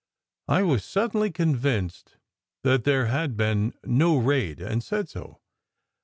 I was suddenly convinced that there had been no raid and said so.